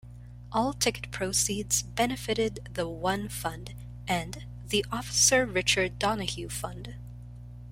All ticket proceeds benefited The One Fund and The Officer Richard Donohue Fund.